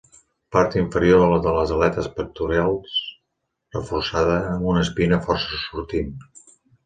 Part inferior de les aletes pectorals reforçada amb una espina força sortint.